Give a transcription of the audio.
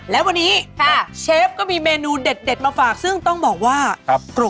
และวันนี้เชฟก็มีเมนูเด็ดมาฝากซึ่งต้องบอกว่า